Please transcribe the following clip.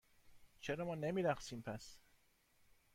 چرا ما نمی رقصیم، پس؟